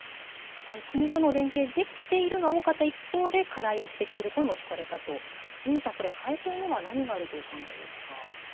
国との連携、できているが多かった一方で、課題を指摘する声も聞かれたと、谷口さん、背景には何があるとお考えですか？